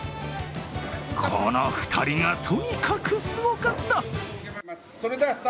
この２人が、とにかくすごかった。